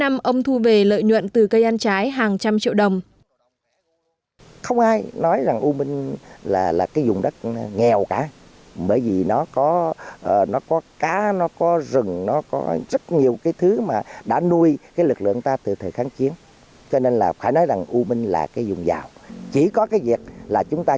mỗi năm ông thu về lợi nhuận từ cây ăn trái hàng trăm triệu đồng